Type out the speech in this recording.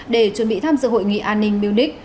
để chuẩn bị tham dự hội nghị an ninh munich